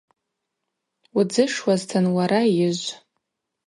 Удзышуазтын уара йыжв.